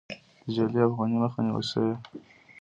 د جعلي افغانیو مخه نیول شوې؟